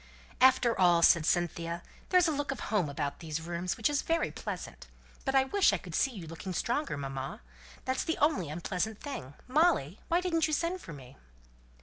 "After all," said Cynthia, "there's a look of home about these rooms which is very pleasant. But I wish I could see you looking stronger, mamma! that's the only unpleasant thing. Molly, why didn't you send for me?"